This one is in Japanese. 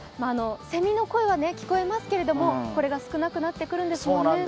セミの声は聞こえますけれども、これが少なくなってくるんですよね。